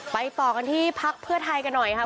ต่อกันที่พักเพื่อไทยกันหน่อยค่ะ